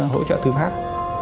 hỗ trợ thứ khác